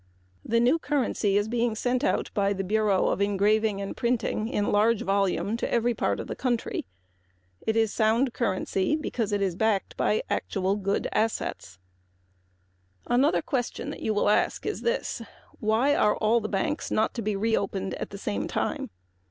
The new currency is being sent out by the Bureau of Engraving and Printing in large volume to every part of the country. It is sound currency because it is backed by actual, good assets. A question you will ask is this: why are all the banks not to be reopened at the same time?